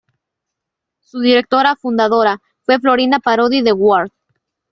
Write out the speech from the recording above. Su directora-fundadora fue Florinda Parodi de Ward.